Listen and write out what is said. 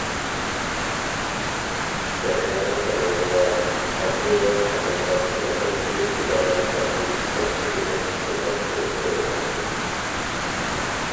دەريانىڭ جەنۇبىغا ئابدۇنىياز كامال باشچىلىقىدىكى ئۇلارغا قارشى ئىسيان كۆتۈرگەن قىسىملار كېلىپ ئورۇنلاشتى.